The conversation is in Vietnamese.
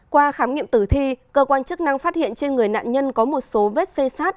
qua khám nghiệm tử thi cơ quan chức năng phát hiện trên người nạn nhân có một số vết xê sát